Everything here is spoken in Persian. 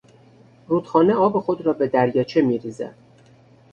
رودخانه آب خود را به دریاچه میریزد.